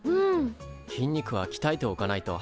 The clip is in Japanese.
筋肉はきたえておかないと。